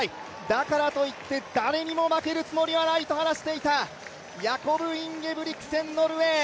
だからといって、誰にも負けるつもりはないと話していたヤコブ・インゲブリクセン、ノルウェー。